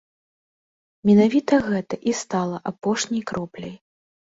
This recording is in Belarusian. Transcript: Менавіта гэта і стала апошняй кропляй.